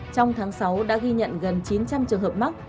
trong tháng sáu đã ghi nhận gần chín trăm linh trường hợp mắc